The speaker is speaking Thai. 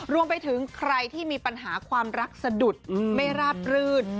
รวมไปถึงใครที่มีปัญหาความรักสะดุดไม่ราบรื่น